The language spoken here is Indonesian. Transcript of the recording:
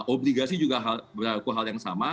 obligasi juga berlaku hal yang sama